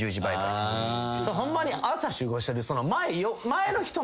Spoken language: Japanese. それホンマに朝集合してる？